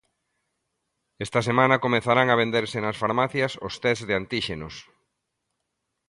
Esta semana comezarán a venderse nas farmacias os tests de antíxenos.